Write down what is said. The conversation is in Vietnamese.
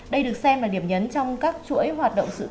đây được xem là điểm nhấn trong các chuỗi hoạt động sắp tới